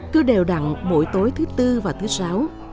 cứ đều đặn mỗi tối thứ tư và thứ sáu